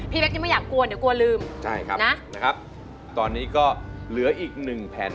พี่เบ๊กนี่ไม่อยากกลัวเดี๋ยวกลัวลืม